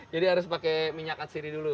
jadi harus pakai minyak atsiri dulu